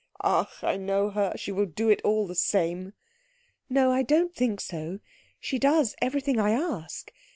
"Ach, I know her she will do it all the same." "No, I don't think so. She does everything I ask.